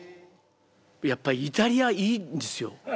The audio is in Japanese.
やっぱイタリアいいんですよ。